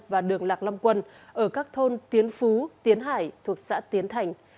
và đường lạc long quân ở các thôn tiến phú tiến hải thuộc xã tiến thành